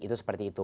itu seperti itu